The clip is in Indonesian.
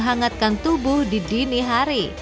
menghangatkan tubuh di dini hari